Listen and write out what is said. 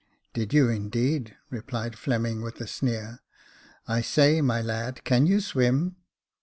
"Did you, indeed!" replied Fleming, with a sneer. " I say, my lad, can you swim